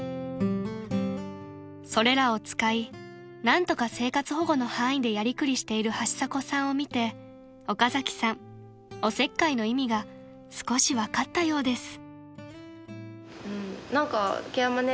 ［それらを使い何とか生活保護の範囲でやりくりしている橋迫さんを見て岡崎さんおせっかいの意味が少し分かったようです］